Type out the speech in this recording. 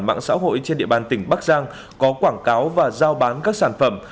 mạng xã hội trên địa bàn tỉnh bắc giang có quảng cáo và giao bán các sản phẩm